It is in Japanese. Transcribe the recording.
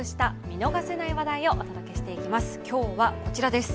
見逃せない話題をお届けしていきます。